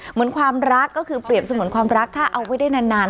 เหมือนความรักก็คือเปรียบเสมือนความรักถ้าเอาไว้ได้นาน